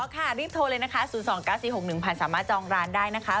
ค่ะรีบโทรเลยนะคะ๐๒๙๔๖๑ผ่านสามารถจองร้านได้นะคะ